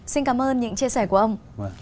xin cảm ơn những chia sẻ của ông